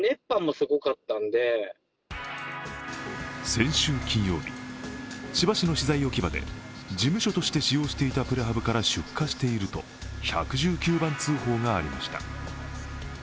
先週金曜日、千葉市の資材置き場で事務所として使用していたプレハブから出火していると１１９番通報がありました。